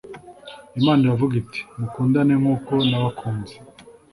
imana iravuga iti mukundane nkuko nabakunze